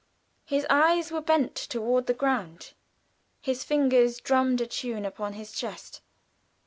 His eyes were bent toward the ground: his fingers drummed a tune upon his chest.